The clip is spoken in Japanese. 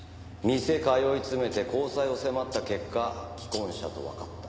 店通い詰めて交際を迫った結果既婚者とわかった。